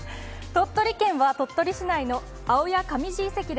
鳥取県は鳥取市内の青谷上寺地遺跡